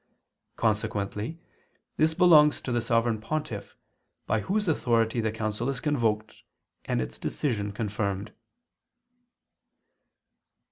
Consequently this belongs to the Sovereign Pontiff, by whose authority the council is convoked, and its decision confirmed.